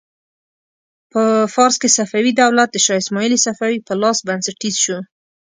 په فارس کې صفوي دولت د شا اسماعیل صفوي په لاس بنسټیز شو.